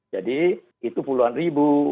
jadi itu puluhan ribu